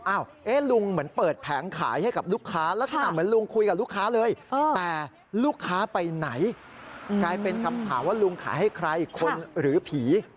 ลุงเหมือนเปิดแผงขายให้กับลูกค้าลักษณะเหมือนลุงคุยกับลูกค้าเลยแต่ลูกค้าไปไหนกลายเป็นคำถามว่าลุงขายให้ใครคนหรือผี